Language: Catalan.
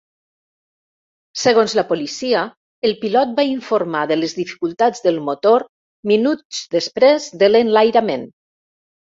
Segons la policia, el pilot va informar de les dificultats del motor minuts després de l'enlairament.